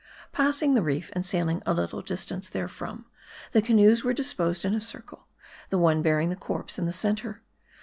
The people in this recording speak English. Passing the reef, and sailing a little distance therefrom, the canoes were disposed in a circle ; the one bearing the corpse in the center.